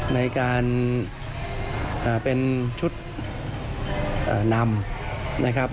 ในการเป็นชุดนำ